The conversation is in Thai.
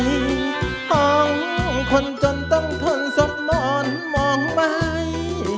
ห้องคนจนต้องทนสมมติมองไม้